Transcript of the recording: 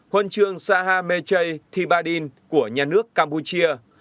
huân chương sahar mejai thibadin của nhà nước campuchia